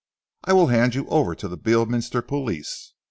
"I will hand you over to the Beorminster police."